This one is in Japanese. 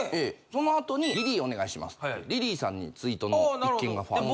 そのあとにリリーお願いしますってリリーさんにツイートの一件が入って。